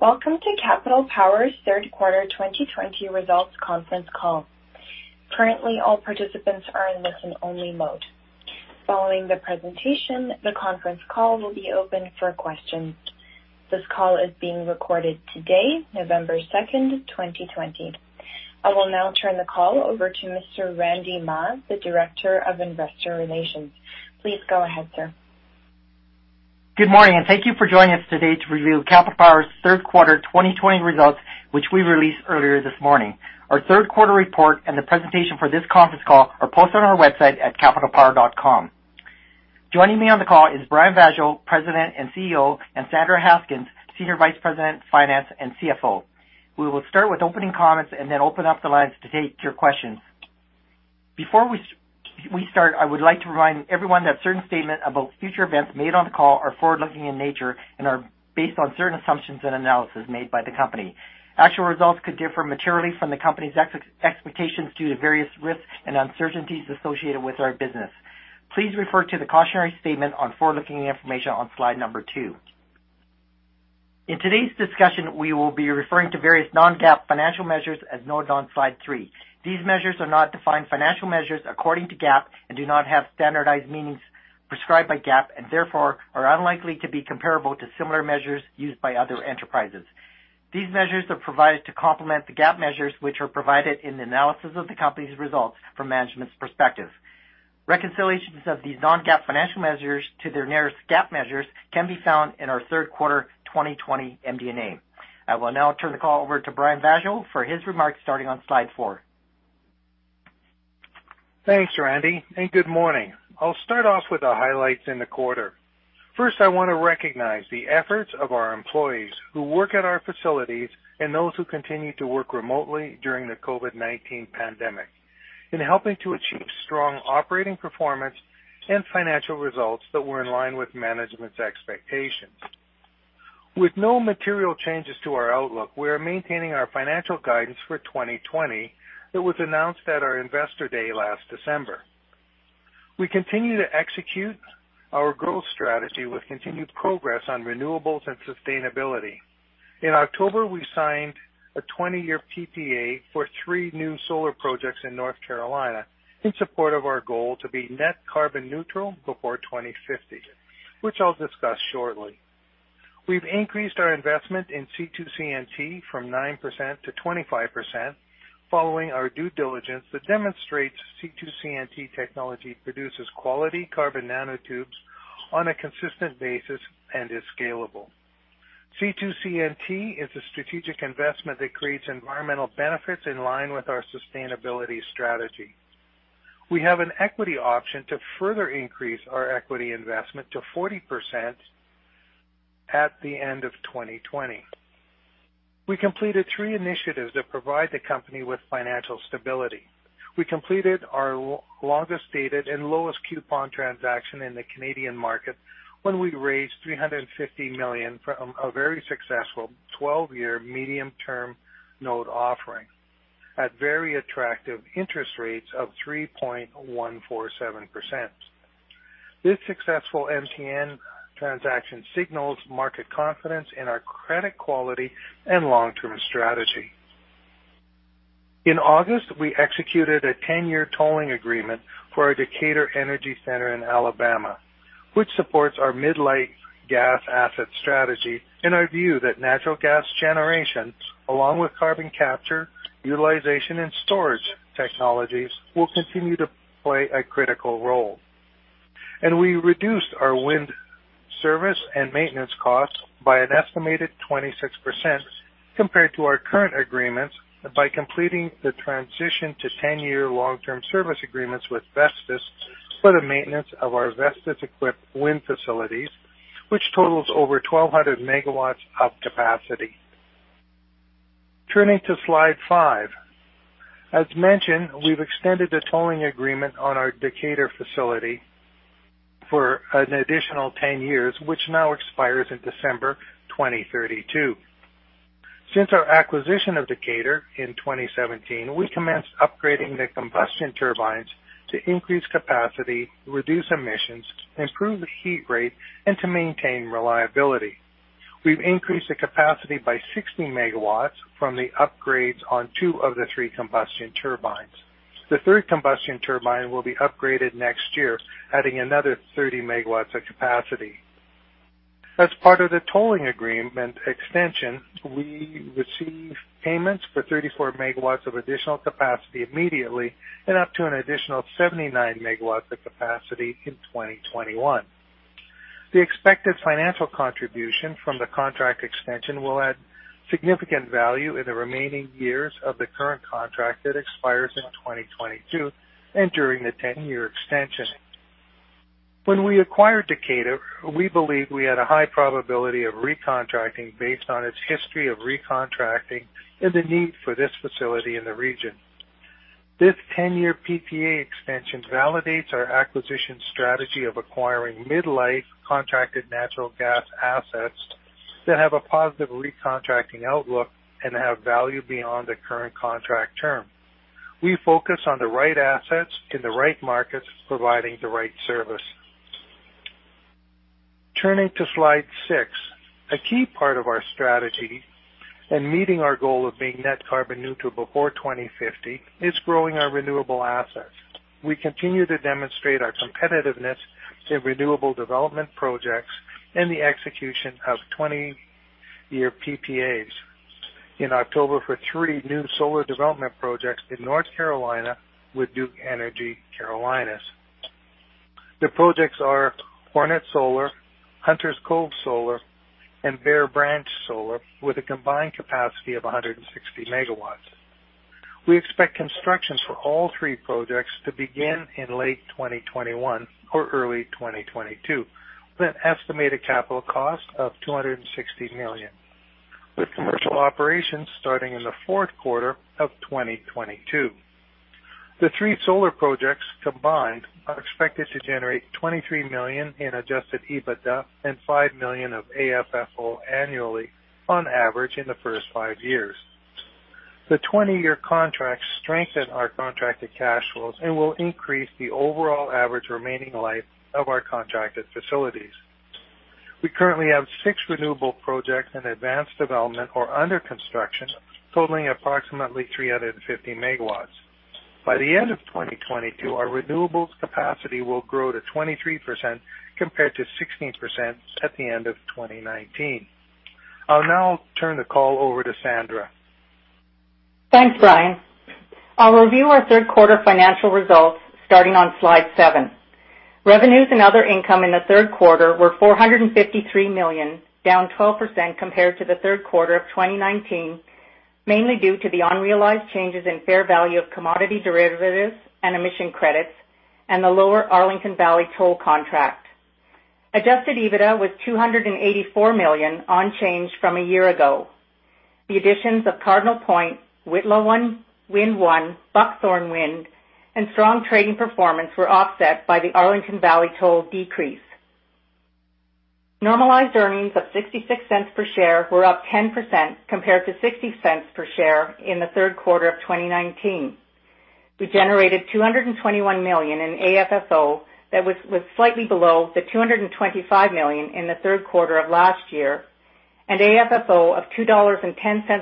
Welcome to Capital Power's third quarter 2020 results conference call. Currently, all participants are in listen-only mode. Following the presentation, the conference call will be open for questions. This call is being recorded today, November 2nd, 2020. I will now turn the call over to Mr. Randy Mah, the Director of Investor Relations. Please go ahead, sir. Good morning. Thank you for joining us today to review Capital Power's third quarter 2020 results, which we released earlier this morning. Our third quarter report and the presentation for this conference call are posted on our website at capitalpower.com. Joining me on the call is Brian Vaasjo, President and CEO, and Sandra Haskins, Senior Vice President, Finance and CFO. We will start with opening comments and then open up the lines to take your questions. Before we start, I would like to remind everyone that certain statements about future events made on the call are forward-looking in nature and are based on certain assumptions and analysis made by the company. Actual results could differ materially from the company's expectations due to various risks and uncertainties associated with our business. Please refer to the cautionary statement on forward-looking information on slide number two. In today's discussion, we will be referring to various non-GAAP financial measures as noted on slide three. These measures are not defined financial measures according to GAAP and do not have standardized meanings prescribed by GAAP and therefore are unlikely to be comparable to similar measures used by other enterprises. These measures are provided to complement the GAAP measures which are provided in the analysis of the company's results from management's perspective. Reconciliations of these non-GAAP financial measures to their nearest GAAP measures can be found in our third quarter 2020 MD&A. I will now turn the call over to Brian Vaasjo for his remarks, starting on slide four. Thanks, Randy. Good morning. I'll start off with the highlights in the quarter. First, I want to recognize the efforts of our employees who work at our facilities and those who continue to work remotely during the COVID-19 pandemic in helping to achieve strong operating performance and financial results that were in line with management's expectations. With no material changes to our outlook, we are maintaining our financial guidance for 2020 that was announced at our Investor Day last December. We continue to execute our growth strategy with continued progress on renewables and sustainability. In October, we signed a 20-year PPA for three new solar projects in North Carolina in support of our goal to be net carbon neutral before 2050, which I'll discuss shortly. We've increased our investment in C2CNT from 9% to 25% following our due diligence that demonstrates C2CNT technology produces quality carbon nanotubes on a consistent basis and is scalable. C2CNT is a strategic investment that creates environmental benefits in line with our sustainability strategy. We have an equity option to further increase our equity investment to 40% at the end of 2020. We completed three initiatives that provide the company with financial stability. We completed our longest-dated and lowest-coupon transaction in the Canadian market when we raised 350 million from a very successful 12-year medium-term note offering at very attractive interest rates of 3.147%. This successful MTN transaction signals market confidence in our credit quality and long-term strategy. In August, we executed a 10-year tolling agreement for our Decatur Energy Center in Alabama, which supports our mid-life gas asset strategy in our view that natural gas generation, along with carbon capture, utilization, and storage technologies, will continue to play a critical role. We reduced our wind service and maintenance costs by an estimated 26% compared to our current agreements by completing the transition to 10-year long-term service agreements with Vestas for the maintenance of our Vestas-equipped wind facilities, which totals over 1,200 MW of capacity. Turning to slide five. As mentioned, we've extended the tolling agreement on our Decatur facility for an additional 10 years, which now expires in December 2032. Since our acquisition of Decatur in 2017, we commenced upgrading the combustion turbines to increase capacity, reduce emissions, improve the heat rate, and to maintain reliability. We've increased the capacity by 60 MW from the upgrades on two of the three combustion turbines. The third combustion turbine will be upgraded next year, adding another 30 MW of capacity. As part of the tolling agreement extension, we receive payments for 34 MW of additional capacity immediately and up to an additional 79 MW of capacity in 2021. The expected financial contribution from the contract extension will add significant value in the remaining years of the current contract that expires in 2022 and during the 10-year extension. When we acquired Decatur, we believed we had a high probability of recontracting based on its history of recontracting and the need for this facility in the region. This 10-year PPA extension validates our acquisition strategy of acquiring mid-life contracted natural gas assets that have a positive recontracting outlook and have value beyond the current contract term. We focus on the right assets in the right markets, providing the right service. Turning to slide six, a key part of our strategy in meeting our goal of being net carbon neutral before 2050 is growing our renewable assets. We continue to demonstrate our competitiveness in renewable development projects and the execution of 20-year PPAs. In October, for three new solar development projects in North Carolina with Duke Energy Carolinas. The projects are Hornet Solar, Hunter's Cove Solar, and Bear Branch Solar, with a combined capacity of 160 MW. We expect constructions for all three projects to begin in late 2021 or early 2022, with an estimated capital cost of 260 million, with commercial operations starting in the fourth quarter of 2022. The three solar projects combined are expected to generate 23 million in adjusted EBITDA and 5 million of AFFO annually on average in the first five years. The 20-year contracts strengthen our contracted cash flows and will increase the overall average remaining life of our contracted facilities. We currently have six renewable projects in advanced development or under construction, totaling approximately 350 MW. By the end of 2022, our renewables capacity will grow to 23%, compared to 16% at the end of 2019. I'll now turn the call over to Sandra. Thanks, Brian. I'll review our third quarter financial results starting on slide seven. Revenues and other income in the third quarter were 453 million, down 12% compared to the third quarter of 2019, mainly due to the unrealized changes in fair value of commodity derivatives and emission credits and the lower Arlington Valley toll contract. Adjusted EBITDA was 284 million, unchanged from a year ago. The additions of Cardinal Point, Whitla Wind 1, Buckthorn Wind, and strong trading performance were offset by the Arlington Valley toll decrease. Normalized earnings of 0.66 per share were up 10% compared to 0.60 per share in the third quarter of 2019. We generated 221 million in AFFO that was slightly below the 225 million in the third quarter of last year, and AFFO of 2.10 dollars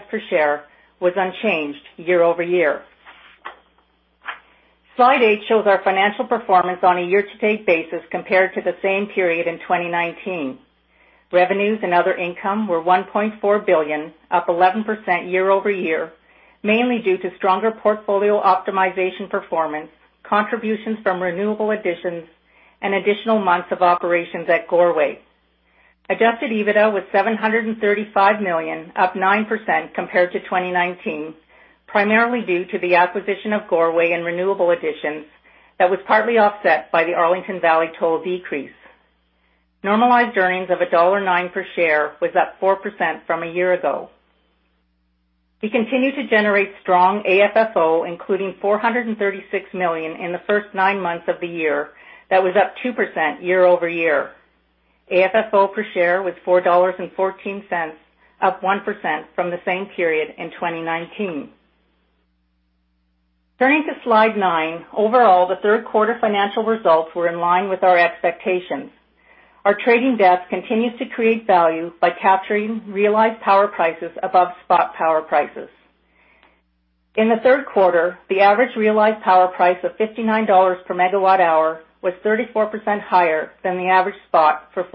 per share was unchanged year-over-year. Slide eight shows our financial performance on a year-to-date basis compared to the same period in 2019. Revenues and other income were 1.4 billion, up 11% year-over-year, mainly due to stronger portfolio optimization performance, contributions from renewable additions, and additional months of operations at Goreway. Adjusted EBITDA was 735 million, up 9% compared to 2019, primarily due to the acquisition of Goreway and renewable additions that was partly offset by the Arlington Valley toll decrease. Normalized earnings of dollar 1.09 per share was up 4% from a year ago. We continue to generate strong AFFO, including 436 million in the first nine months of the year. That was up 2% year-over-year. AFFO per share was 4.14 dollars, up 1% from the same period in 2019. Turning to slide nine, overall, the third quarter financial results were in line with our expectations. Our trading desk continues to create value by capturing realized power prices above spot power prices. In the third quarter, the average realized power price of 59 dollars per megawatt hour was 34% higher than the average spot of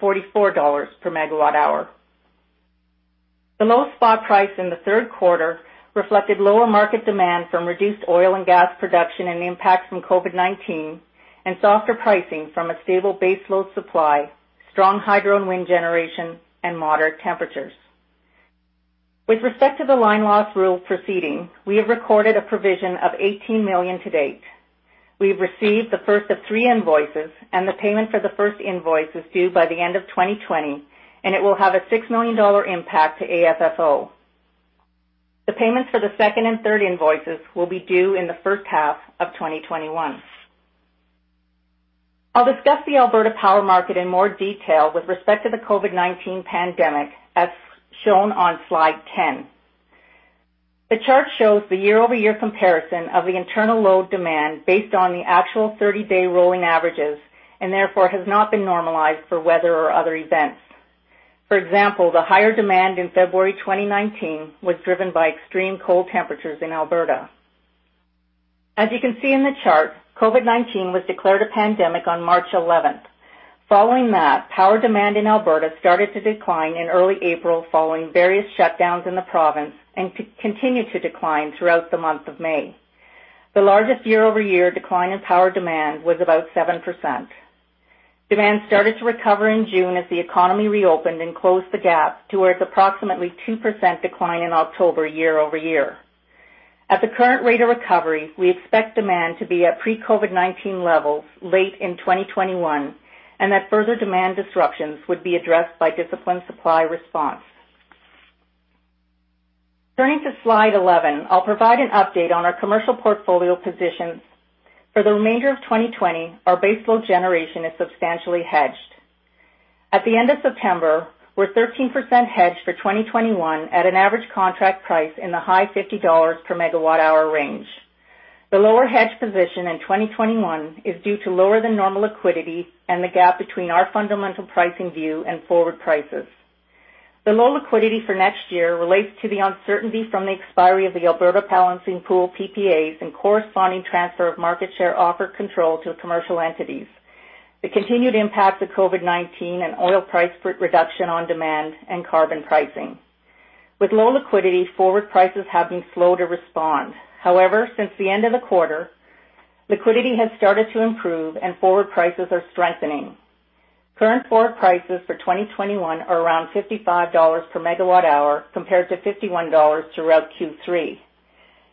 44 dollars per megawatt hour. The low spot price in the third quarter reflected lower market demand from reduced oil and gas production and the impacts from COVID-19 and softer pricing from a stable base load supply, strong hydro and wind generation, and moderate temperatures. With respect to the Line Loss Rule proceeding, we have recorded a provision of 18 million to date. We have received the first of three invoices, and the payment for the first invoice is due by the end of 2020, and it will have a 6 million dollar impact to AFFO. The payments for the second and third invoices will be due in the first half of 2021. I'll discuss the Alberta Power market in more detail with respect to the COVID-19 pandemic, as shown on slide 10. The chart shows the year-over-year comparison of the internal load demand based on the actual 30-day rolling averages, and therefore, has not been normalized for weather or other events. For example, the higher demand in February 2019 was driven by extreme cold temperatures in Alberta. As you can see in the chart, COVID-19 was declared a pandemic on March 11th. Following that, power demand in Alberta started to decline in early April following various shutdowns in the province and continued to decline throughout the month of May. The largest year-over-year decline in power demand was about 7%. Demand started to recover in June as the economy reopened and closed the gap to where it's approximately 2% decline in October year-over-year. At the current rate of recovery, we expect demand to be at pre-COVID-19 levels late in 2021. That further demand disruptions would be addressed by disciplined supply response. Turning to slide 11, I will provide an update on our commercial portfolio positions. For the remainder of 2020, our baseload generation is substantially hedged. At the end of September, we are 13% hedged for 2021 at an average contract price in the high 50 dollars per megawatt-hour range. The lower hedge position in 2021 is due to lower than normal liquidity and the gap between our fundamental pricing view and forward prices. The low liquidity for next year relates to the uncertainty from the expiry of the Alberta Balancing Pool PPAs and corresponding transfer of market share offer control to commercial entities, the continued impact of COVID-19 and oil price reduction on demand and carbon pricing. With low liquidity, forward prices have been slow to respond. However, since the end of the quarter, liquidity has started to improve and forward prices are strengthening. Current forward prices for 2021 are around 55 dollars per megawatt-hour, compared to 51 dollars throughout Q3.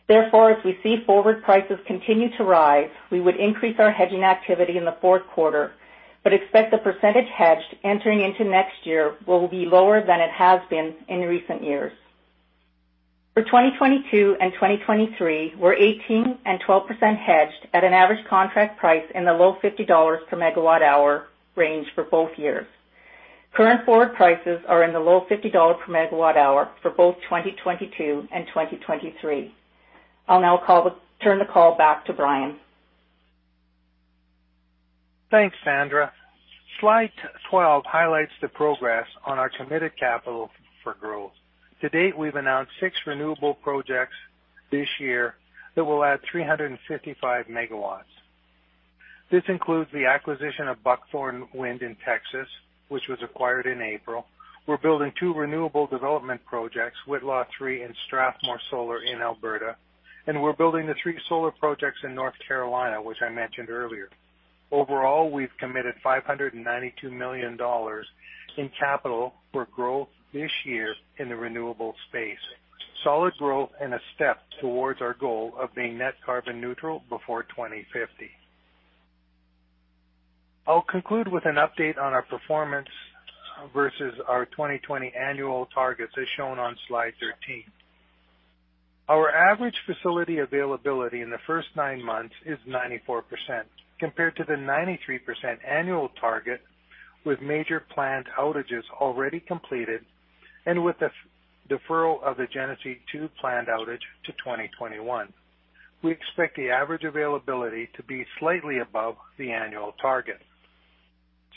Therefore, if we see forward prices continue to rise, we would increase our hedging activity in the fourth quarter, but expect the percentage hedged entering into next year will be lower than it has been in recent years. For 2022 and 2023, we're 18% and 12% hedged at an average contract price in the low 50 dollars per megawatt-hour range for both years. Current forward prices are in the low 50 dollars per megawatt-hour for both 2022 and 2023. I'll now turn the call back to Brian. Thanks, Sandra. Slide 12 highlights the progress on our committed capital for growth. To date, we've announced six renewable projects this year that will add 355 MW. This includes the acquisition of Buckthorn Wind in Texas, which was acquired in April. We're building two renewable development projects, Whitla Wind 3 and Strathmore Solar in Alberta, and we're building the three solar projects in North Carolina, which I mentioned earlier. Overall, we've committed 592 million dollars in capital for growth this year in the renewable space. Solid growth and a step towards our goal of being net carbon neutral before 2050. I'll conclude with an update on our performance versus our 2020 annual targets, as shown on slide 13. Our average facility availability in the first nine months is 94%, compared to the 93% annual target, with major plant outages already completed and with the deferral of the Genesee 2 plant outage to 2021. We expect the average availability to be slightly above the annual target.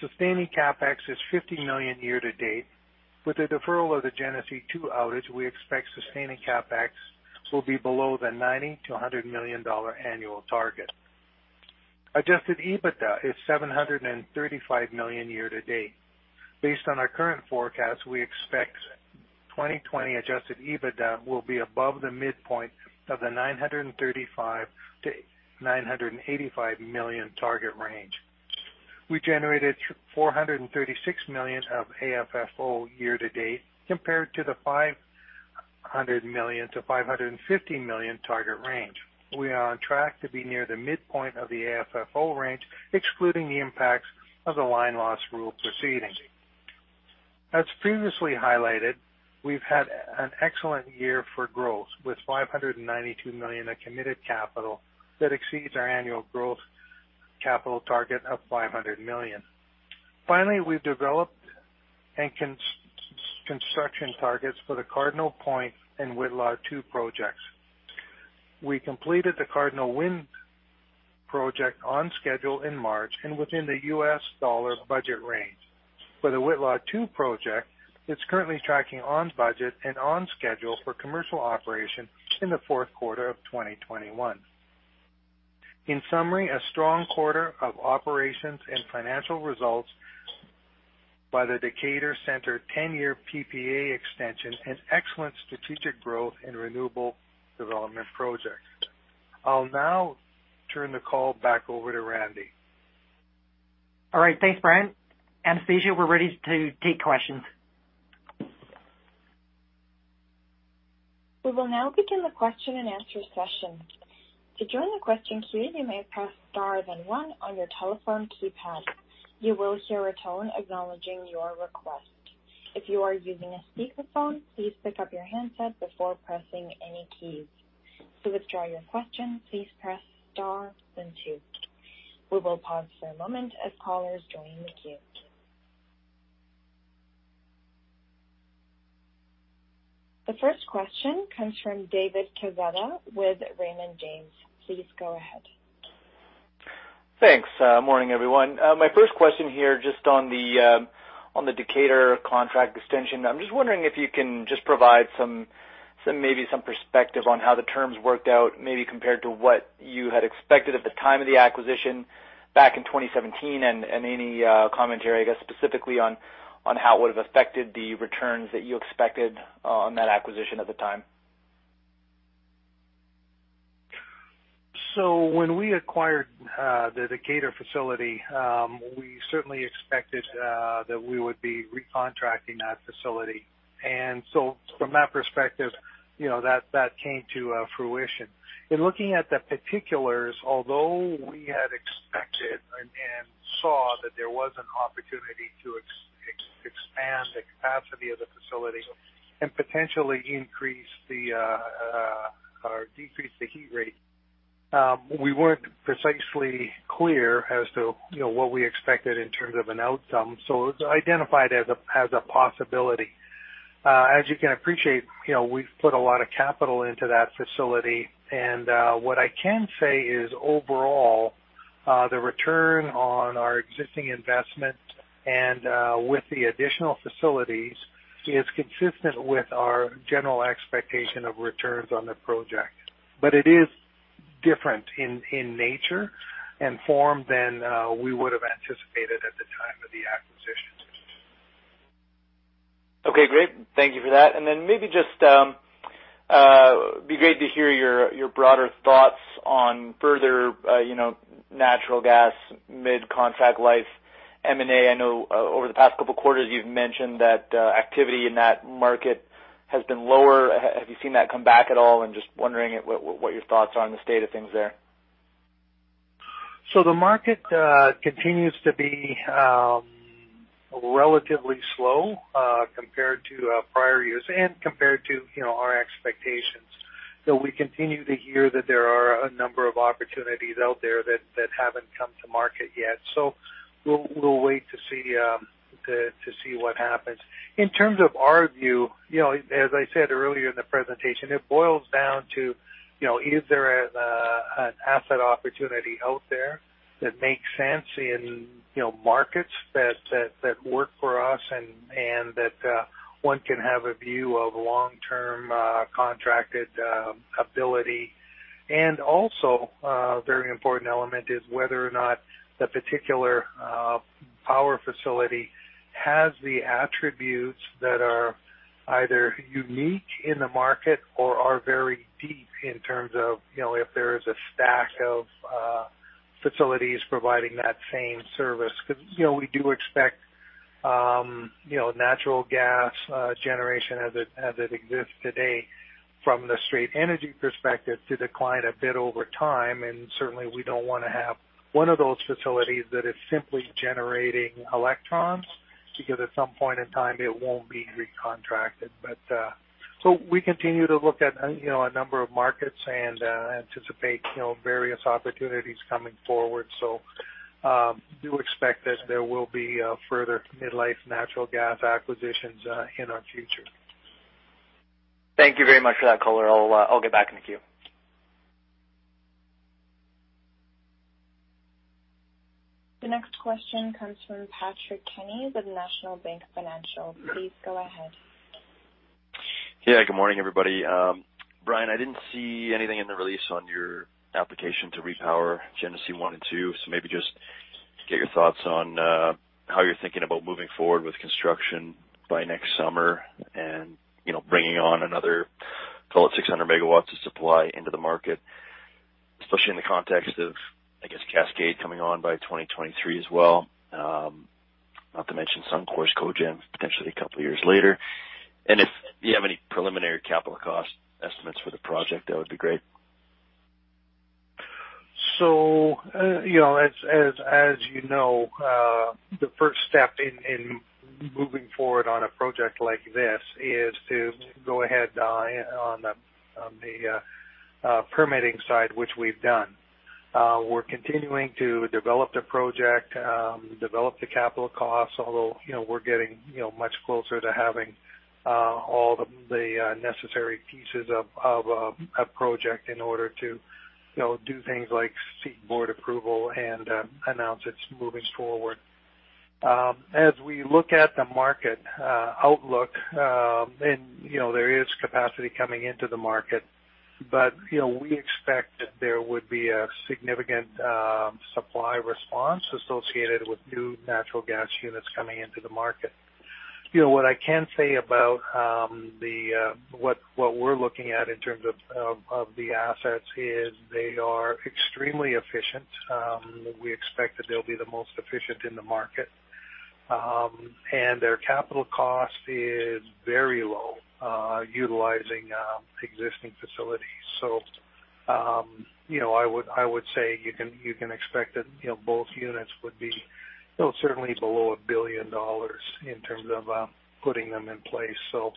Sustaining CapEx is 50 million year to date. With the deferral of the Genesee 2 outage, we expect sustaining CapEx will be below the 90 million-100 million dollar annual target. Adjusted EBITDA is 735 million year to date. Based on our current forecast, we expect 2020 adjusted EBITDA will be above the midpoint of the 935 million-985 million target range. We generated 436 million of AFFO year to date, compared to the 500 million-550 million target range. We are on track to be near the midpoint of the AFFO range, excluding the impacts of the Line Loss Rule proceedings. As previously highlighted, we've had an excellent year for growth, with 592 million of committed capital that exceeds our annual growth capital target of 500 million. Finally, we've developed construction targets for the Cardinal Point and Whitla 2 projects. We completed the Cardinal Wind project on schedule in March and within the U.S. dollar budget range. For the Whitla 2 project, it's currently tracking on budget and on schedule for commercial operation in the fourth quarter of 2021. In summary, a strong quarter of operations and financial results by the Decatur Center 10-year PPA extension and excellent strategic growth in renewable development projects. I'll now turn the call back over to Randy. All right. Thanks, Brian. Anastasia, we're ready to take questions. We will now begin the question-and-answer session. To join the question queue, you may press star then one on your telephone keypad. You will hear a tone acknowledging your request. If you are using a speakerphone, please pick up your handset before pressing any keys. To withdraw your question, please press star then two. We will pause for a moment as callers join the queue. The first question comes from David Quezada with Raymond James. Please go ahead. Thanks. Morning, everyone. My first question here, just on the Decatur contract extension. I'm just wondering if you can just provide maybe some perspective on how the terms worked out, maybe compared to what you had expected at the time of the acquisition back in 2017, and any commentary, I guess, specifically on how it would have affected the returns that you expected on that acquisition at the time. When we acquired the Decatur facility, we certainly expected that we would be recontracting that facility. From that perspective, that came to fruition. In looking at the particulars, although we had expected and saw that there was an opportunity to expand the capacity of the facility and potentially decrease the heat rate. We weren't precisely clear as to what we expected in terms of an outcome. It's identified as a possibility. As you can appreciate, we've put a lot of capital into that facility, and what I can say is overall, the return on our existing investment and with the additional facilities is consistent with our general expectation of returns on the project. It is different in nature and form than we would have anticipated at the time of the acquisition. Okay, great. Thank you for that. Maybe just be great to hear your broader thoughts on further natural gas mid-contract life M&A. I know over the past couple of quarters, you've mentioned that activity in that market has been lower. Have you seen that come back at all? Just wondering what your thoughts are on the state of things there. The market continues to be relatively slow compared to prior years and compared to our expectations. We continue to hear that there are a number of opportunities out there that haven't come to market yet. We'll wait to see what happens. In terms of our view, as I said earlier in the presentation, it boils down to, is there an asset opportunity out there that makes sense in markets that work for us and that one can have a view of long-term contracted ability? Also a very important element is whether or not the particular power facility has the attributes that are either unique in the market or are very deep in terms of if there is a stack of facilities providing that same service. We do expect natural gas generation as it exists today from the straight energy perspective to decline a bit over time, and certainly we don't want to have one of those facilities that is simply generating electrons because at some point in time, it won't be recontracted. We continue to look at a number of markets and anticipate various opportunities coming forward. Do expect that there will be further mid-life natural gas acquisitions in our future. Thank you very much for that color. I'll get back in the queue. The next question comes from Patrick Kenny with National Bank Financial. Please go ahead. Yeah. Good morning, everybody. Brian, I didn't see anything in the release on your application to repower Genesee 1 and 2, maybe just to get your thoughts on how you're thinking about moving forward with construction by next summer and bringing on another call it 600 MW of supply into the market, especially in the context of, I guess, Cascade coming on by 2023 as well, not to mention Suncor's cogen potentially a couple of years later. If you have any preliminary capital cost estimates for the project, that would be great. As you know, the first step in moving forward on a project like this is to go ahead on the permitting side, which we've done. We're continuing to develop the project, develop the capital costs, although we're getting much closer to having all the necessary pieces of a project in order to do things like seek board approval and announce it's moving forward. As we look at the market outlook, and there is capacity coming into the market, but we expect that there would be a significant supply response associated with new natural gas units coming into the market. What I can say about what we're looking at in terms of the assets is they are extremely efficient. We expect that they'll be the most efficient in the market. Their capital cost is very low utilizing existing facilities. I would say you can expect that both units would be certainly below 1 billion dollars in terms of putting them in place. So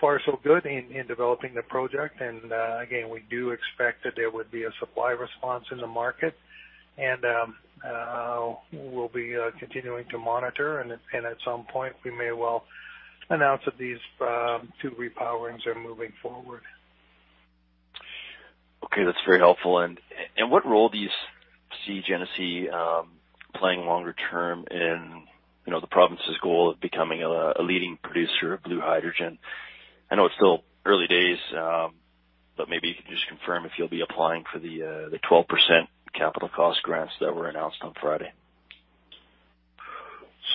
far so good in developing the project. Again, we do expect that there would be a supply response in the market. We'll be continuing to monitor, and at some point, we may well announce that these two repowerings are moving forward. Okay. That's very helpful. What role do you see Genesee playing longer term in the province's goal of becoming a leading producer of blue hydrogen? I know it's still early days, but maybe you can just confirm if you'll be applying for the 12% capital cost grants that were announced on Friday.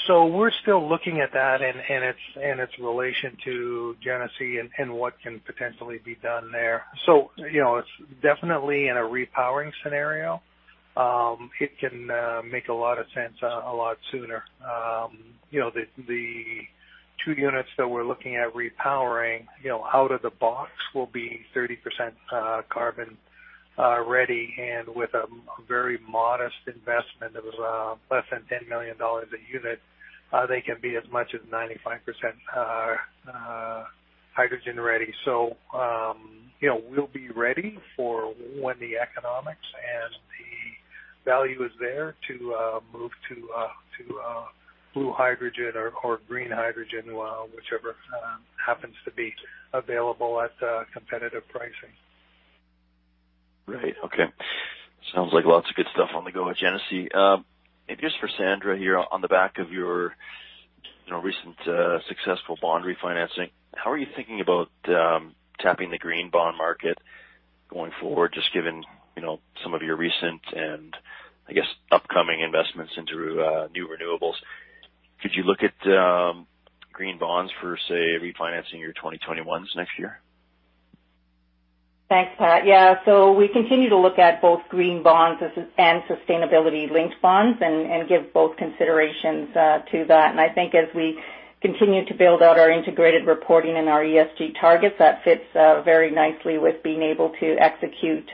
We're still looking at that and its relation to Genesee and what can potentially be done there. It's definitely in a repowering scenario. It can make a lot of sense a lot sooner. The two units that we're looking at repowering, out of the box will be 30% carbon ready, and with a very modest investment of less than 10 million dollars a unit, they can be as much as 95% hydrogen ready. We'll be ready for when the economics and the value is there to move to blue hydrogen or green hydrogen, whichever happens to be available at competitive pricing. Right. Okay. Sounds like lots of good stuff on the go at Genesee. Maybe just for Sandra here, on the back of your recent successful bond refinancing, how are you thinking about tapping the green bond market going forward, just given some of your recent and, I guess, upcoming investments into new renewables? Could you look at green bonds for, say, refinancing your 2021s next year? Thanks, Pat. Yeah, we continue to look at both green bonds and sustainability-linked bonds and give both considerations to that. I think as we continue to build out our integrated reporting and our ESG targets, that fits very nicely with being able to execute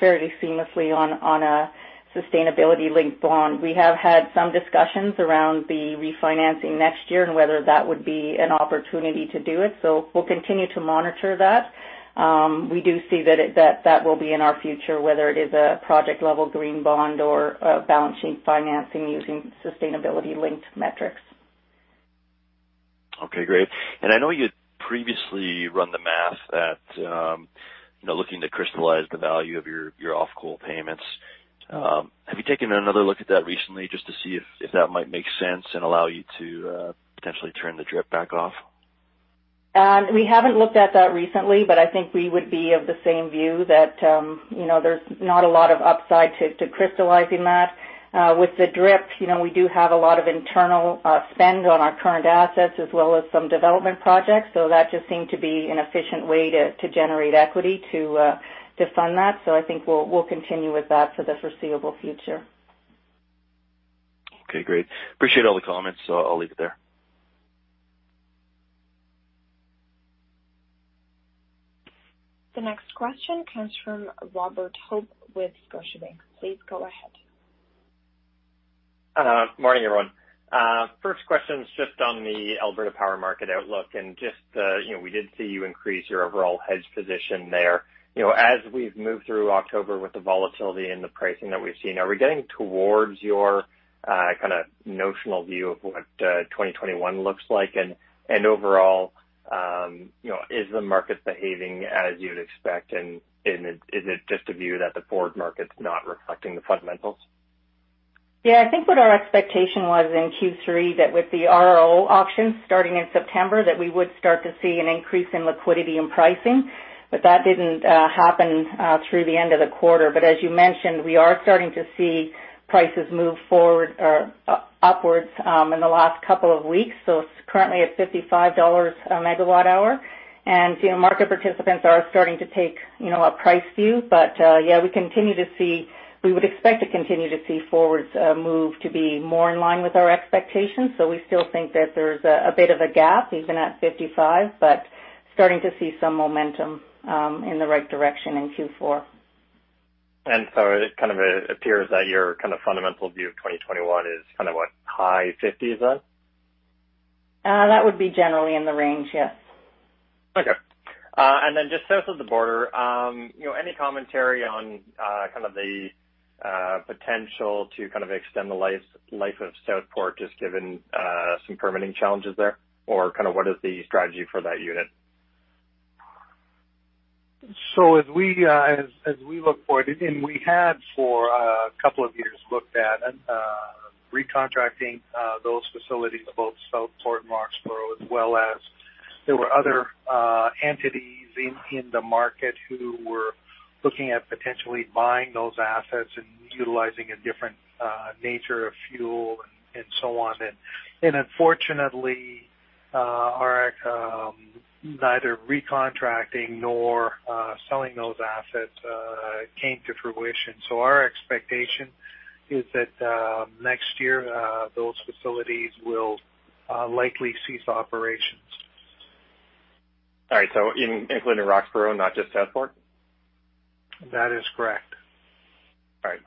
fairly seamlessly on a sustainability-linked bond. We have had some discussions around the refinancing next year and whether that would be an opportunity to do it. We'll continue to monitor that. We do see that that will be in our future, whether it is a project-level green bond or a balance sheet financing using sustainability-linked metrics. Okay, great. I know you previously run the math at looking to crystallize the value of your off-coal payments. Have you taken another look at that recently just to see if that might make sense and allow you to potentially turn the DRIP back off? We haven't looked at that recently, but I think we would be of the same view that there's not a lot of upside to crystallizing that. With the DRIP, we do have a lot of internal spend on our current assets as well as some development projects, so that just seemed to be an efficient way to generate equity to fund that. I think we'll continue with that for the foreseeable future. Okay, great. Appreciate all the comments. I'll leave it there. The next question comes from Robert Hope with Scotiabank. Please go ahead. Morning, everyone. First question is just on the Alberta power market outlook and we did see you increase your overall hedge position there. As we've moved through October with the volatility and the pricing that we've seen, are we getting towards your notional view of what 2021 looks like? Overall, is the market behaving as you'd expect, and is it just a view that the forward market's not reflecting the fundamentals? I think what our expectation was in Q3, that with the RRO auction starting in September, that we would start to see an increase in liquidity and pricing. That didn't happen through the end of the quarter. As you mentioned, we are starting to see prices move forward or upwards in the last couple of weeks. It's currently at 55 dollars a megawatt hour. Market participants are starting to take a price view. We would expect to continue to see forwards move to be more in line with our expectations. We still think that there's a bit of a gap even at 55, starting to see some momentum in the right direction in Q4. It kind of appears that your kind of fundamental view of 2021 is kind of, what, high 50s? That would be generally in the range, yes. Okay. Then just south of the border, any commentary on the potential to extend the life of Southport, just given some permitting challenges there, or what is the strategy for that unit? As we look forward, and we had for a couple of years looked at recontracting those facilities, both Southport and Roxboro, as well as there were other entities in the market who were looking at potentially buying those assets and utilizing a different nature of fuel and so on. Unfortunately, neither recontracting nor selling those assets came to fruition. Our expectation is that next year, those facilities will likely cease operations. All right. Including Roxboro, not just Southport? That is correct. All right.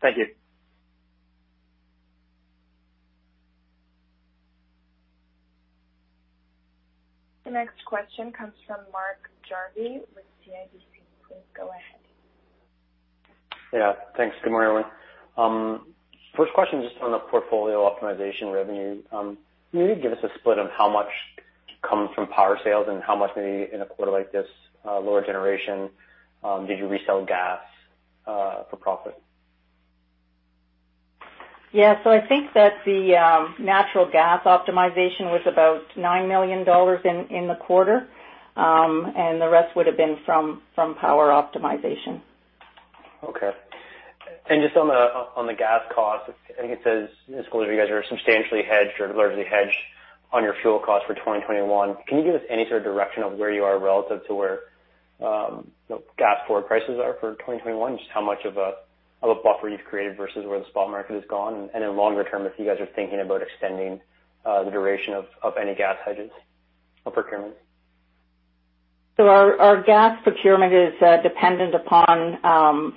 Thank you. The next question comes from Mark Jarvi with CIBC. Please go ahead. Yeah. Thanks. Good morning, everyone. First question, just on the portfolio optimization revenue. Can you give us a split of how much comes from power sales and how much maybe in a quarter like this, lower generation, did you resell gas for profit? Yeah, I think that the natural gas optimization was about 9 million dollars in the quarter, and the rest would have been from power optimization. Okay. Just on the gas cost, I think it says as close as you guys are substantially hedged or largely hedged on your fuel cost for 2021, can you give us any sort of direction of where you are relative to where gas forward prices are for 2021, just how much of a buffer you've created versus where the spot market has gone? Then longer term, if you guys are thinking about extending the duration of any gas hedges or procurement? Our gas procurement is dependent upon our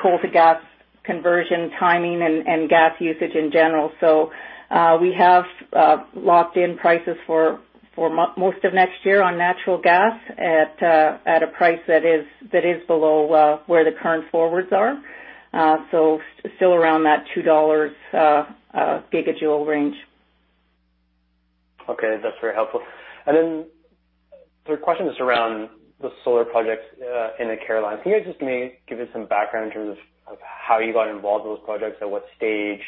coal-to-gas conversion timing and gas usage in general. We have locked in prices for most of next year on natural gas at a price that is below where the current forwards are. Still around that 2 dollars gigajoule range. Okay. That's very helpful. The question is around the solar projects in the Carolinas. Can you just maybe give us some background in terms of how you got involved in those projects, at what stage?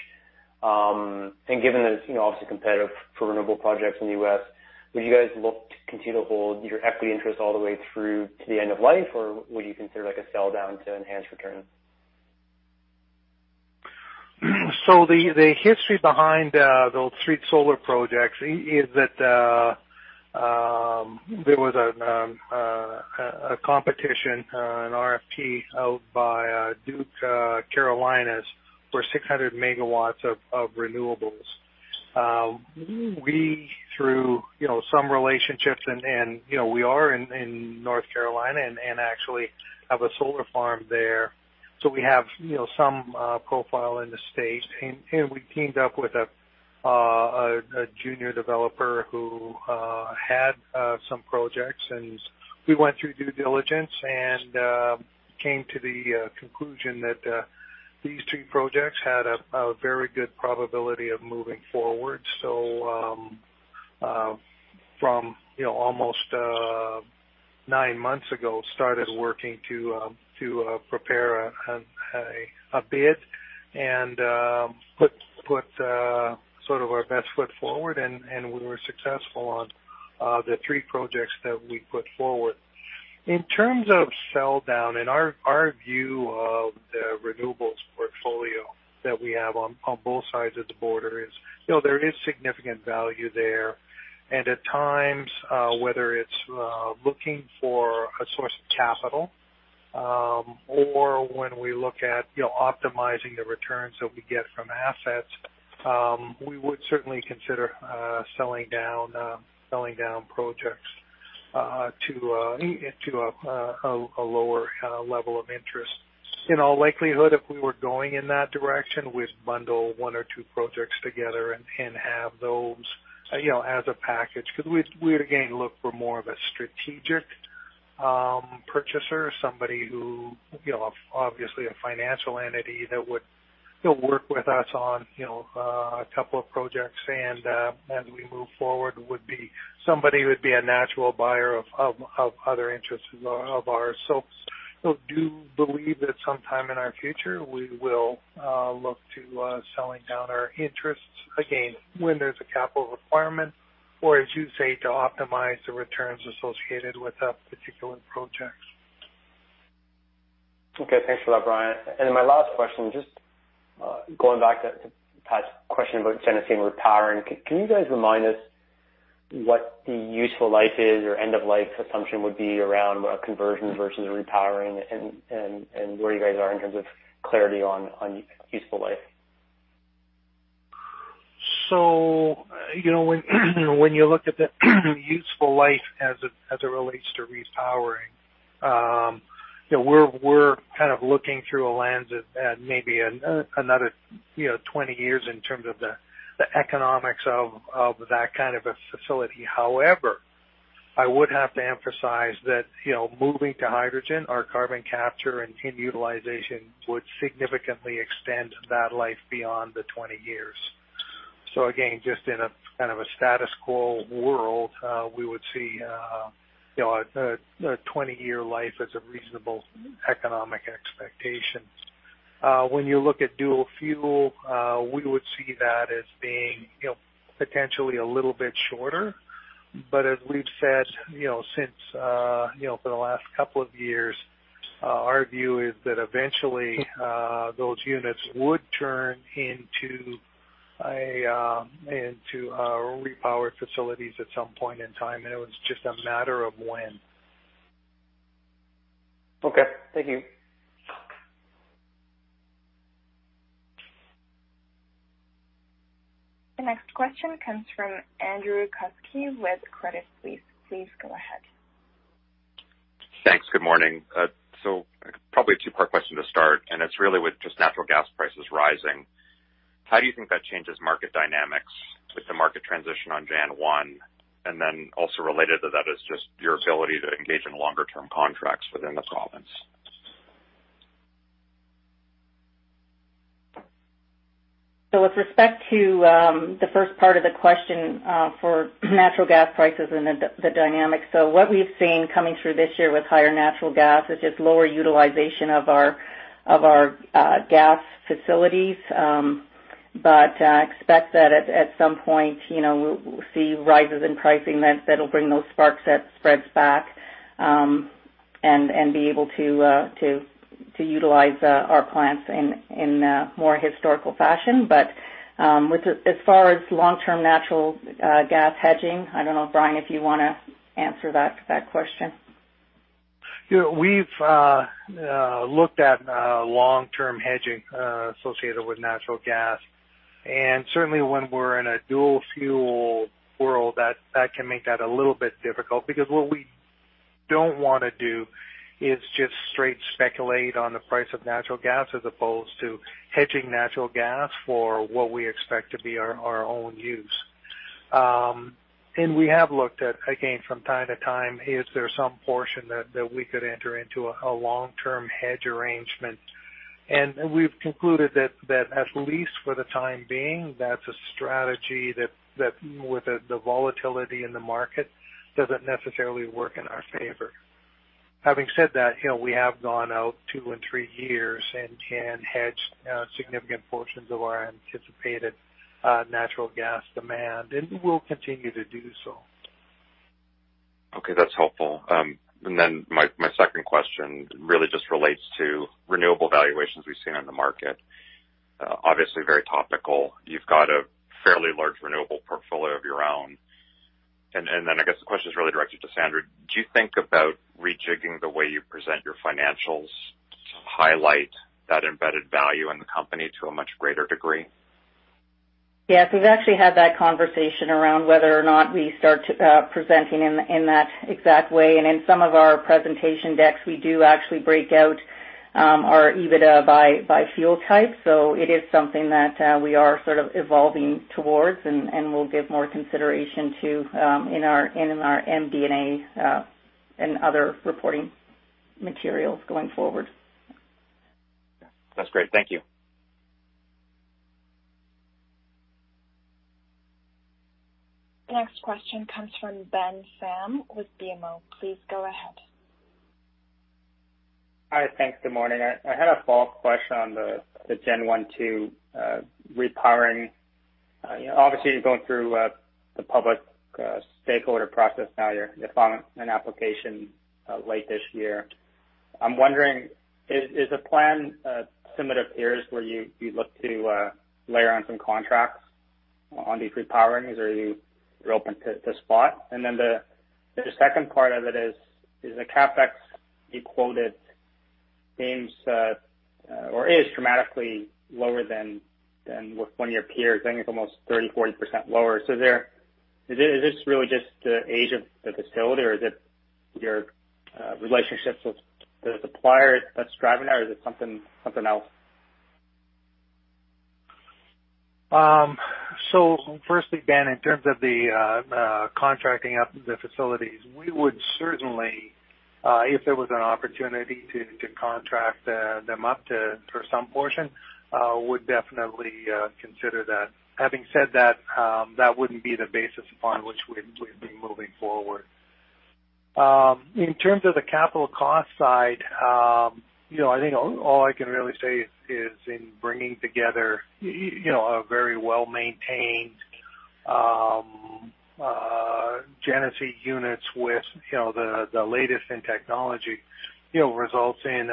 Given that it's obviously competitive for renewable projects in the U.S., would you guys look to continue to hold your equity interest all the way through to the end of life or would you consider like a sell-down to enhance return? The history behind those three solar projects is that there was a competition, an RFP out by Duke Carolinas for 600 MW of renewables. We, through some relationships, and we are in North Carolina and actually have a solar farm there. We have some profile in the state. We teamed up with a junior developer who had some projects, and we went through due diligence and came to the conclusion that these two projects had a very good probability of moving forward. From almost nine months ago, started working to prepare a bid and put sort of our best foot forward, and we were successful on the three projects that we put forward. In terms of sell-down, and our view of the renewables portfolio that we have on both sides of the border is there is significant value there. At times, whether it's looking for a source of capital or when we look at optimizing the returns that we get from assets, we would certainly consider selling down projects to a lower level of interest. In all likelihood, if we were going in that direction, we'd bundle one or two projects together and have those as a package, because we would, again, look for more of a strategic purchaser, somebody who, obviously a financial entity that would work with us on a couple of projects and as we move forward would be somebody who would be a natural buyer of other interests of ours. Do believe that sometime in our future we will look to selling down our interests again when there's a capital requirement or, as you say, to optimize the returns associated with a particular project. Okay. Thanks for that, Brian. My last question, just going back to Pat's question about Genesee Repowering. Can you guys remind us what the useful life is or end-of-life assumption would be around a conversion versus repowering and where you guys are in terms of clarity on useful life? When you look at the useful life as it relates to repowering, we're kind of looking through a lens at maybe another 20 years in terms of the economics of that kind of a facility. However, I would have to emphasize that moving to hydrogen or carbon capture and utilization would significantly extend that life beyond the 20 years. Again, just in a kind of a status quo world, we would see a 20-year life as a reasonable economic expectation. When you look at dual-fuel, we would see that as being potentially a little bit shorter. As we've said for the last couple of years, our view is that eventually those units would turn into repowered facilities at some point in time, and it was just a matter of when. Okay. Thank you. The next question comes from Andrew Kuske with Credit Suisse. Please go ahead. Thanks. Good morning. Probably a two-part question to start, and it's really with just natural gas prices rising. How do you think that changes market dynamics with the market transition on January 1? Also related to that is just your ability to engage in longer-term contracts within the province. With respect to the first part of the question for natural gas prices and the dynamics. What we've seen coming through this year with higher natural gas is just lower utilization of our gas facilities. I expect that at some point, we'll see rises in pricing that'll bring those spreads back and be able to utilize our plants in more historical fashion. As far as long-term natural gas hedging, I don't know, Brian, if you want to answer that question. We've looked at long-term hedging associated with natural gas. Certainly when we're in a dual-fuel world, that can make that a little bit difficult, because what we don't want to do is just straight speculate on the price of natural gas as opposed to hedging natural gas for what we expect to be our own use. We have looked at, again, from time to time, is there some portion that we could enter into a long-term hedge arrangement. We've concluded that at least for the time being, that's a strategy that with the volatility in the market, doesn't necessarily work in our favor. Having said that, we have gone out two and three years and can hedge significant portions of our anticipated natural gas demand, and we'll continue to do so. Okay. That's helpful. My second question really just relates to renewable valuations we've seen in the market. Obviously very topical. You've got a fairly large renewable portfolio of your own. I guess the question is really directed to Sandra. Do you think about rejigging the way you present your financials to highlight that embedded value in the company to a much greater degree? Yes, we've actually had that conversation around whether or not we start presenting in that exact way. In some of our presentation decks, we do actually break out our EBITDA by fuel type. It is something that we are sort of evolving towards and will give more consideration to in our MD&A and other reporting materials going forward. That's great. Thank you. The next question comes from Ben Pham with BMO. Please go ahead. Hi. Thanks. Good morning. I had a follow-up question on the Gen 1-2 repowering. Obviously, you're going through the public stakeholder process now. You're filing an application late this year. I'm wondering, is the plan similar to peers where you look to layer on some contracts on these repowerings, or you're open to spot? The second part of it is the CapEx you quoted seems or is dramatically lower than with one of your peers. I think it's almost 30%, 40% lower. Is this really just the age of the facility, or is it your relationships with the suppliers that's driving that, or is it something else? Firstly, Ben, in terms of the contracting up the facilities, we would certainly, if there was an opportunity to contract them up for some portion, would definitely consider that. Having said that wouldn't be the basis upon which we'd be moving forward. In terms of the capital cost side, I think all I can really say is in bringing together a very well-maintained Genesee units with the latest in technology, results in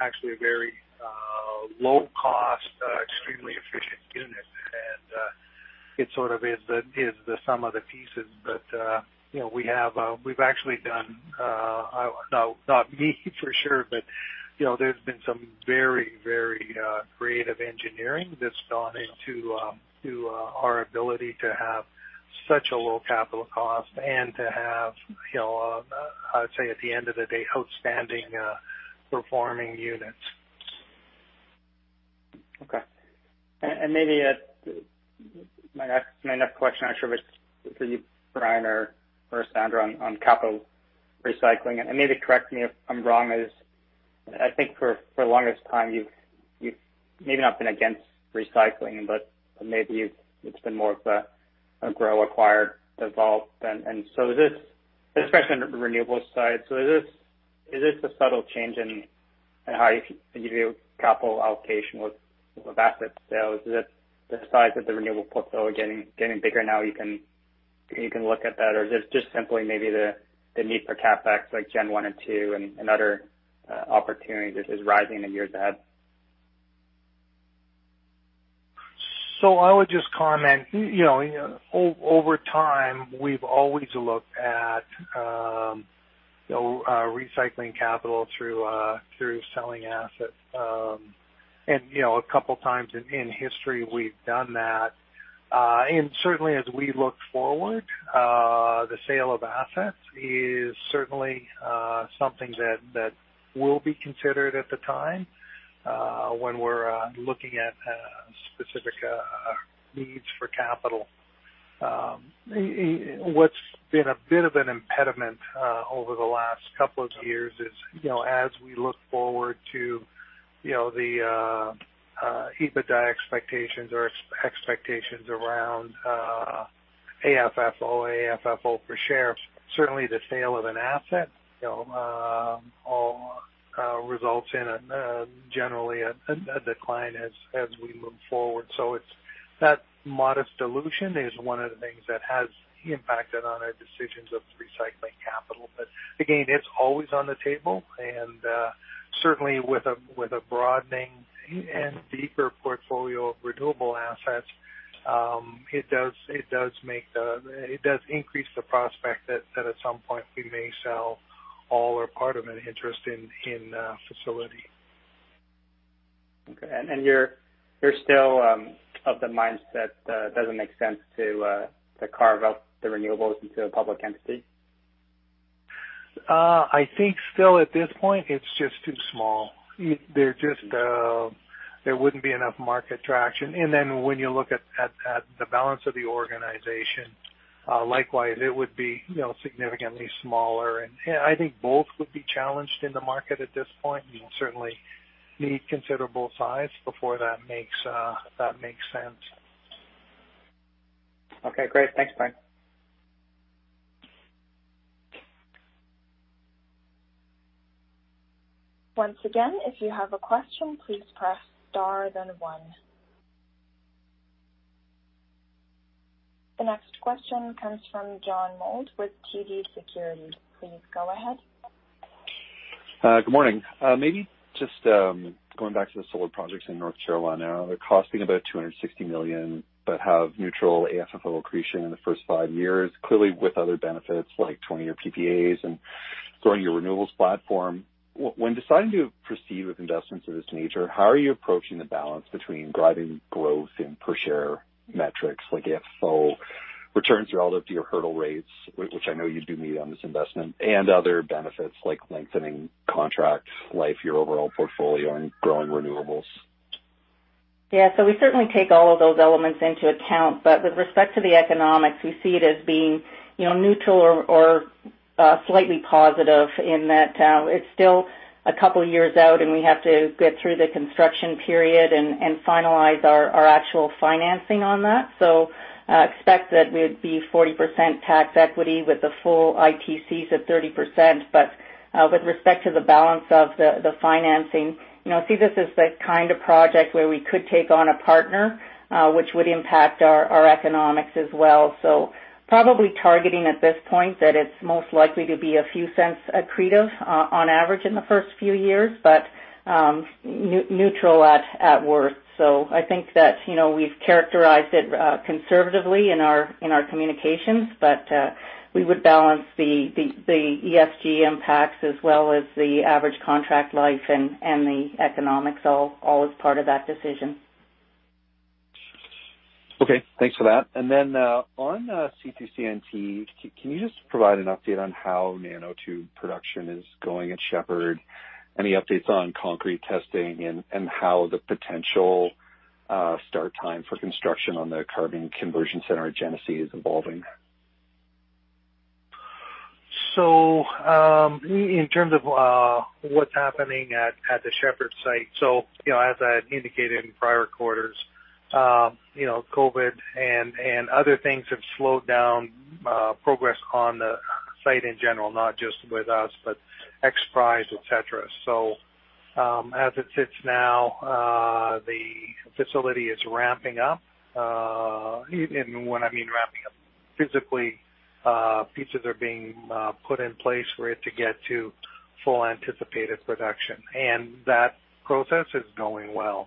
actually a very low-cost, extremely efficient unit. It sort of is the sum of the pieces. We've actually done, not me for sure, but there's been some very creative engineering that's gone into our ability to have such a low capital cost and to have, I would say at the end of the day, outstanding performing units. Okay. Maybe my next question, I am not sure if it's for you, Brian or Sandra, on capital recycling, and maybe correct me if I'm wrong, is I think for the longest time you've maybe not been against recycling, but maybe it's been more of a grow, acquire, develop. Is this, especially on the renewables side, so is this a subtle change in how you view capital allocation with asset sales? Is it the size of the renewable portfolio getting bigger now you can look at that? Is this just simply maybe the need for CapEx like Gen 1 and 2 and other opportunities is rising in years ahead? I would just comment. Over time, we've always looked at recycling capital through selling assets. A couple of times in history, we've done that. Certainly as we look forward, the sale of assets is certainly something that will be considered at the time when we're looking at specific needs for capital. What's been a bit of an impediment over the last couple of years is, as we look forward to the EBITDA expectations or expectations around AFFO for shares, certainly the sale of an asset results in generally a decline as we move forward. That modest dilution is one of the things that has impacted on our decisions of recycling capital. Again, it's always on the table. Certainly with a broadening and deeper portfolio of renewable assets, it does increase the prospect that at some point we may sell all or part of an interest in a facility. Okay. You're still of the mindset that it doesn't make sense to carve out the renewables into a public entity? I think still at this point, it's just too small. There wouldn't be enough market traction. When you look at the balance of the organization, likewise, it would be significantly smaller. I think both would be challenged in the market at this point. You certainly need considerable size before that makes sense. Okay, great. Thanks, Brian. Once again, if you have a question, please press star then one. The next question comes from John Mould with TD Securities. Please go ahead. Good morning. Maybe just going back to the solar projects in North Carolina. They're costing about 260 million, but have neutral AFFO accretion in the first five years, clearly with other benefits like 20-year PPAs and growing your renewables platform. When deciding to proceed with investments of this nature, how are you approaching the balance between driving growth in per-share metrics like AFFO, returns relative to your hurdle rates, which I know you do meet on this investment, and other benefits like lengthening contract life, your overall portfolio, and growing renewables? Yeah. We certainly take all of those elements into account. With respect to the economics, we see it as being neutral or slightly positive in that it's still a couple years out, and we have to get through the construction period and finalize our actual financing on that. Expect that we'd be 40% tax equity with the full ITCs at 30%. With respect to the balance of the financing, see this as the kind of project where we could take on a partner, which would impact our economics as well. Probably targeting at this point that it's most likely to be a few cents accretive, on average in the first few years. Neutral at worst. I think that we've characterized it conservatively in our communications, but we would balance the ESG impacts as well as the average contract life and the economics all as part of that decision. Okay. Thanks for that. On C2CNT, can you just provide an update on how nanotube production is going at Shepard? Any updates on concrete testing and how the potential start time for construction on the Carbon Conversion Centre at Genesee is evolving? In terms of what's happening at the Shepard site, as I had indicated in prior quarters, COVID and other things have slowed down progress on the site in general, not just with us, but XPRIZE, et cetera. As it sits now, the facility is ramping up. When I mean ramping up physically, pieces are being put in place for it to get to full anticipated production, and that process is going well.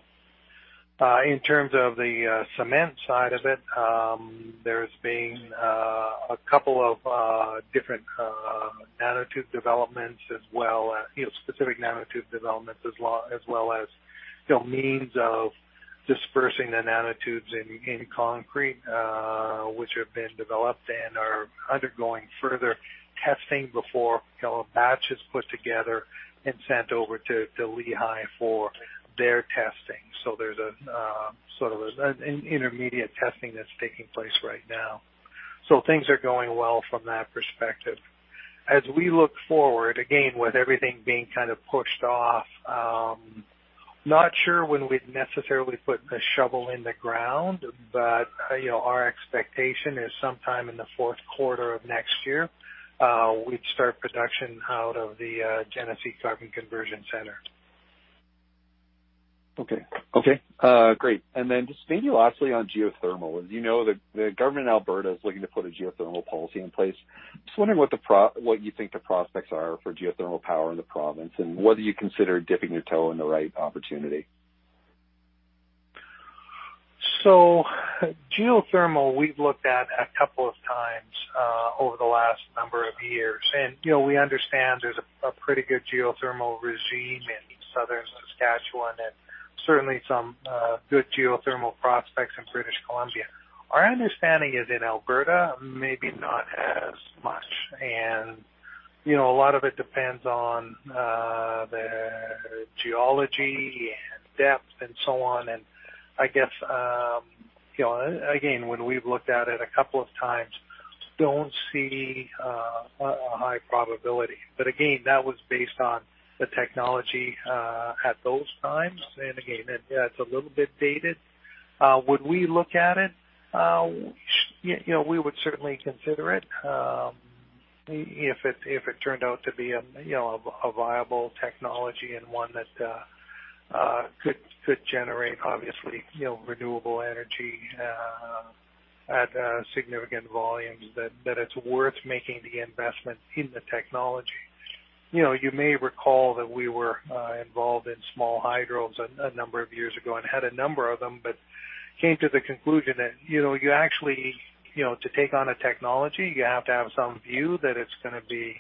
In terms of the cement side of it, there's been a couple of different nanotube developments as well, specific nanotube developments as well as means of dispersing the nanotubes in concrete, which have been developed and are undergoing further testing before a batch is put together and sent over to Lehigh for their testing. There's a sort of an intermediate testing that's taking place right now. Things are going well from that perspective. As we look forward, again, with everything being kind of pushed off, not sure when we'd necessarily put the shovel in the ground, but our expectation is sometime in the fourth quarter of next year, we'd start production out of the Genesee Carbon Conversion Centre. Okay. Great. Just maybe lastly, on geothermal. As you know, the government of Alberta is looking to put a geothermal policy in place. Just wondering what you think the prospects are for geothermal power in the province, and whether you consider dipping your toe in the right opportunity. Geothermal, we've looked at a couple of times over the last number of years. We understand there's a pretty good geothermal regime in southern Saskatchewan and certainly some good geothermal prospects in British Columbia. Our understanding is in Alberta, maybe not as much. A lot of it depends on the geology and depth and so on. I guess, again, when we've looked at it a couple of times, don't see a high probability. Again, that was based on the technology at those times. Again, that's a little bit dated. Would we look at it? We would certainly consider it if it turned out to be a viable technology and one that could generate, obviously, renewable energy at significant volumes, that it's worth making the investment in the technology. You may recall that we were involved in small hydros a number of years ago and had a number of them, but came to the conclusion that to take on a technology, you have to have some view that it is going to be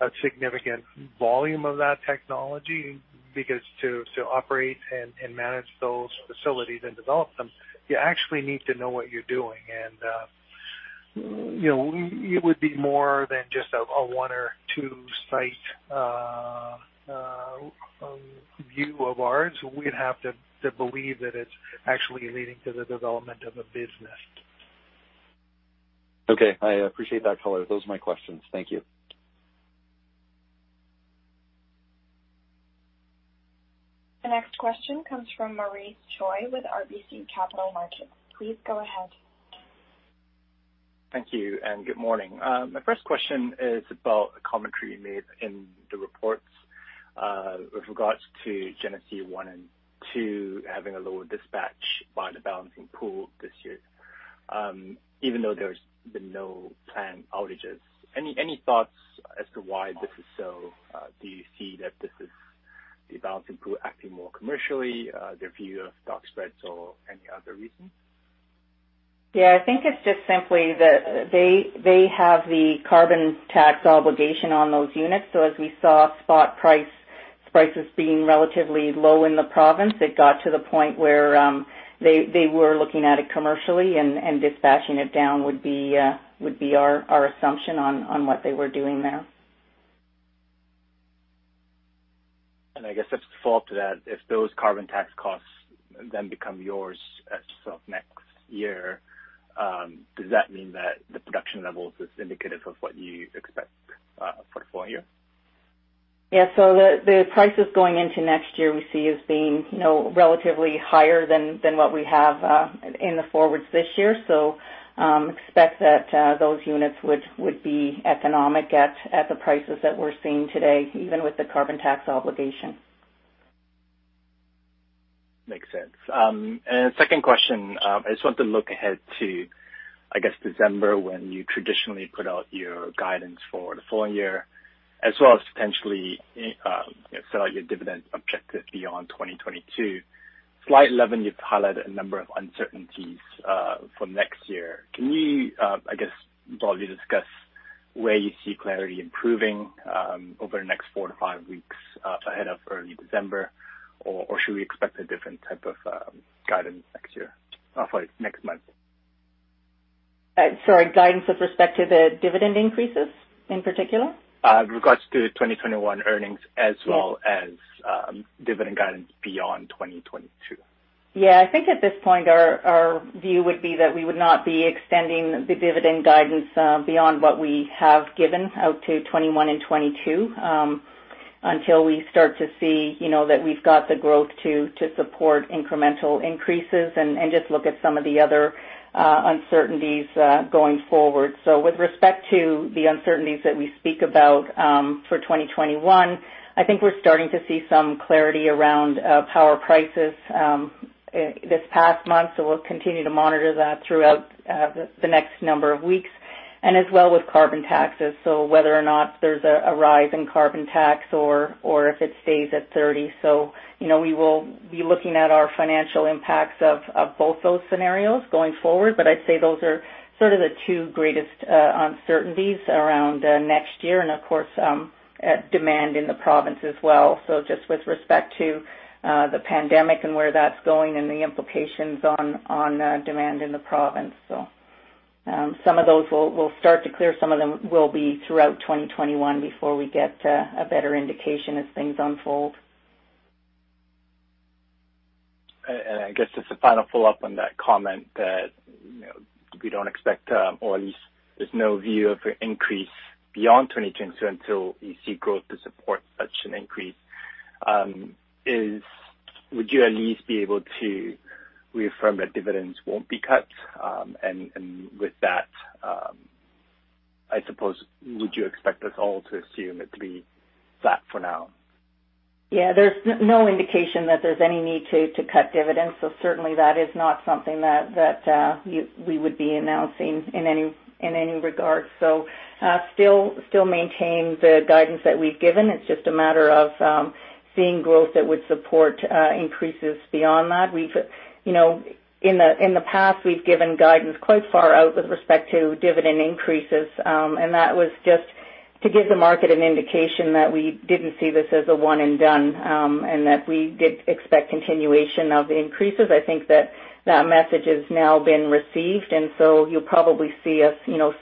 a significant volume of that technology, because to operate and manage those facilities and develop them, you actually need to know what you are doing. It would be more than just a one or two-site view of ours. We would have to believe that it is actually leading to the development of a business. Okay. I appreciate that color. Those are my questions. Thank you. The next question comes from Maurice Choy with RBC Capital Markets. Please go ahead. Thank you. Good morning. My first question is about a commentary you made in the reports, with regards to Genesee 1-2 having a lower dispatch by the Balancing Pool this year, even though there's been no planned outages. Any thoughts as to why this is so? Do you see that this is the Balancing Pool acting more commercially, their view of dark spreads or any other reason? Yeah, I think it's just simply that they have the carbon tax obligation on those units. As we saw spot prices being relatively low in the province, it got to the point where they were looking at it commercially and dispatching it down would be our assumption on what they were doing there. I guess just to follow up to that, if those carbon tax costs then become yours as of next year, does that mean that the production levels is indicative of what you expect for the full year? The prices going into next year we see as being relatively higher than what we have in the forwards this year. Expect that those units would be economic at the prices that we're seeing today, even with the carbon tax obligation. Second question, I just want to look ahead to, I guess, December when you traditionally put out your guidance for the following year, as well as potentially set out your dividend objective beyond 2022. Slide 11, you've highlighted a number of uncertainties for next year. Can you broadly discuss where you see clarity improving over the next four to five weeks ahead of early December? Should we expect a different type of guidance next month? Sorry, guidance with respect to the dividend increases in particular? With regards to 2021 earnings as well as dividend guidance beyond 2022. Yeah, I think at this point our view would be that we would not be extending the dividend guidance beyond what we have given out to 2021 and 2022, until we start to see that we've got the growth to support incremental increases and just look at some of the other uncertainties going forward. With respect to the uncertainties that we speak about for 2021, I think we're starting to see some clarity around power prices this past month, so we'll continue to monitor that throughout the next number of weeks, and as well with carbon taxes, whether or not there's a rise in carbon tax or if it stays at 30. We will be looking at our financial impacts of both those scenarios going forward, but I'd say those are sort of the two greatest uncertainties around next year and of course, demand in the province as well. Just with respect to the pandemic and where that's going and the implications on demand in the province. Some of those will start to clear, some of them will be throughout 2021 before we get a better indication as things unfold. I guess just a final follow-up on that comment that we don't expect, or at least there's no view of an increase beyond 2022 until you see growth to support such an increase. Would you at least be able to reaffirm that dividends won't be cut? With that, I suppose, would you expect us all to assume it'll be flat for now? There's no indication that there's any need to cut dividends, certainly that is not something that we would be announcing in any regard. Still maintain the guidance that we've given. It's just a matter of seeing growth that would support increases beyond that. In the past, we've given guidance quite far out with respect to dividend increases. That was just to give the market an indication that we didn't see this as a one and done, and that we did expect continuation of the increases. I think that that message has now been received, you'll probably see us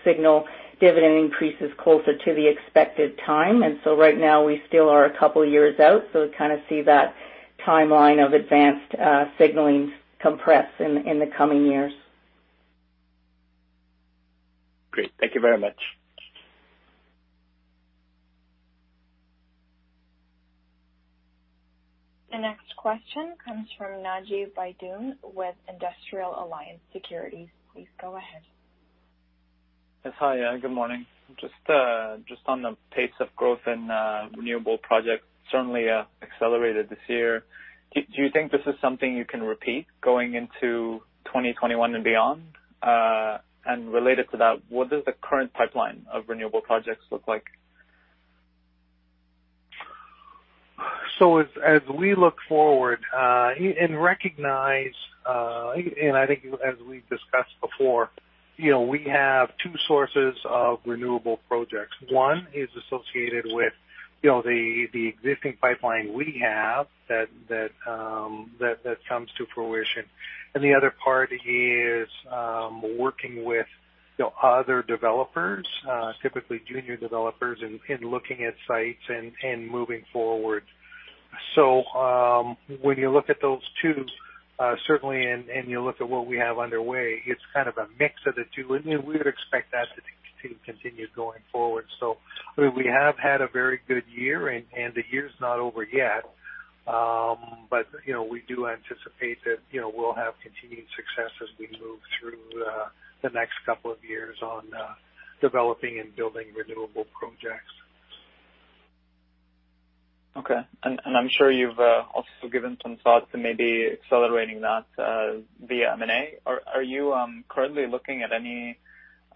signal dividend increases closer to the expected time. Right now we still are a couple of years out, so kind of see that timeline of advanced signaling compress in the coming years. Great. Thank you very much. The next question comes from Naji Baydoun with Industrial Alliance Securities. Please go ahead. Yes. Hi, good morning. Just on the pace of growth in renewable projects, certainly accelerated this year. Do you think this is something you can repeat going into 2021 and beyond? Related to that, what does the current pipeline of renewable projects look like? As we look forward and recognize, and I think as we've discussed before, we have two sources of renewable projects. One is associated with the existing pipeline we have that comes to fruition. The other part is working with other developers, typically junior developers, in looking at sites and moving forward. When you look at those two, certainly, and you look at what we have underway, it's kind of a mix of the two. We would expect that to continue going forward. We have had a very good year, and the year's not over yet. We do anticipate that we'll have continued success as we move through the next couple of years on developing and building renewable projects. Okay. I'm sure you've also given some thought to maybe accelerating that via M&A. Are you currently looking at any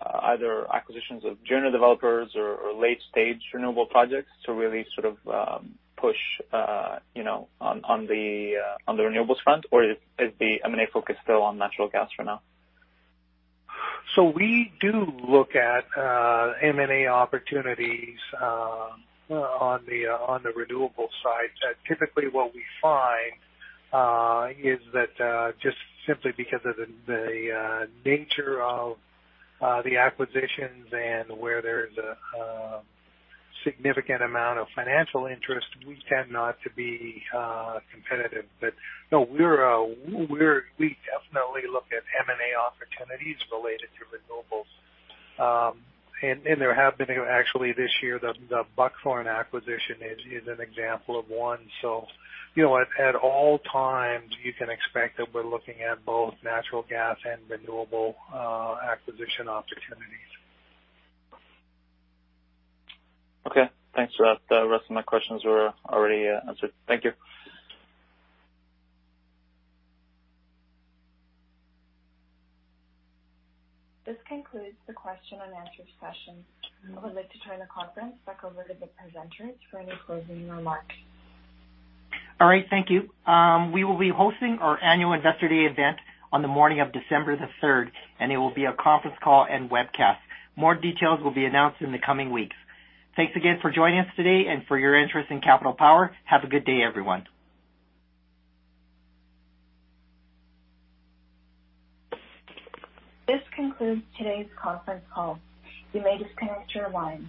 either acquisitions of junior developers or late-stage renewable projects to really sort of push on the renewables front? Or is the M&A focus still on natural gas for now? We do look at M&A opportunities on the renewable side. Typically what we find is that, just simply because of the nature of the acquisitions and where there's a significant amount of financial interest, we tend not to be competitive. No, we definitely look at M&A opportunities related to renewables. There have been, actually this year, the Buckthorn acquisition is an example of one. At all times you can expect that we're looking at both natural gas and renewable acquisition opportunities. Okay, thanks for that. The rest of my questions were already answered. Thank you. This concludes the question and answer session. I would like to turn the conference back over to the presenters for any closing remarks. All right, thank you. We will be hosting our annual investor day event on the morning of December the 3rd, and it will be a conference call and webcast. More details will be announced in the coming weeks. Thanks again for joining us today and for your interest in Capital Power. Have a good day, everyone. This concludes today's conference call. You may disconnect your lines.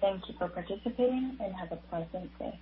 Thank you for participating, and have a pleasant day.